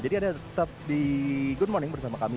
jadi tetap di good morning bersama kami